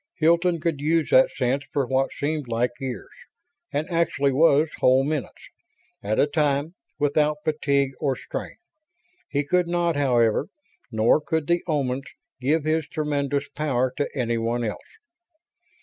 Hilton could use that sense for what seemed like years and actually was whole minutes at a time without fatigue or strain. He could not, however, nor could the Omans, give his tremendous power to anyone else.